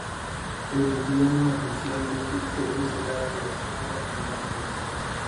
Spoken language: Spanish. El idioma oficial de Egipto es el árabe estándar moderno.